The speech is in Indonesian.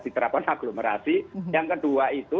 diterapkan aglomerasi yang kedua itu